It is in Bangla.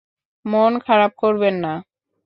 মন খারাপ করবেন না।